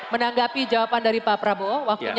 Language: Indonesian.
menanggapi jawaban dari pak prabowo waktunya